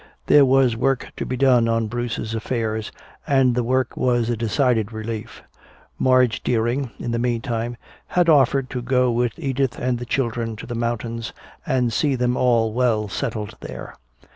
There was work to be done on Bruce's affairs, and the work was a decided relief. Madge Deering, in the meantime, had offered to go with Edith and the children to the mountains and see them all well settled there.